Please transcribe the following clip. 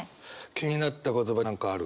気になった言葉何かある？